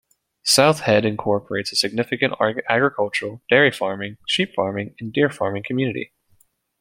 South Head incorporates a significant agricultural, dairy farming, sheep farming and deer farming community.